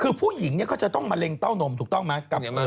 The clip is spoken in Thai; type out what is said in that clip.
คือผู้หญิงเนี่ยก็จะต้องมะเร็งเต้านมถูกต้องไหม